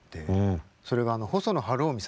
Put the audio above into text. それが細野晴臣さんがね